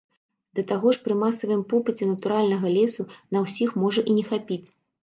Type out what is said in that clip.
Да таго ж пры масавым попыце натуральнага лесу на ўсіх можа і не хапіць.